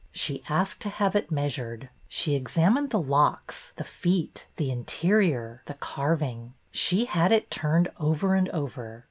She asked to have it measured. She examined the locks, the feet, the interior, the carving. She had it turned over and over.